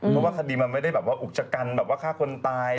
เพราะว่าคดีมันไม่ได้อุกจักรการฆ่าคนตาย